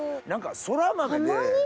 何かそらまめで。